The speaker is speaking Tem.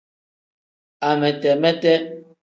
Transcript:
Amete-mete.